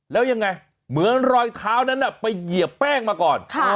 แล้วยังไงเหมือนรอยเท้านั้นไปเหยียบแป้งมาก่อน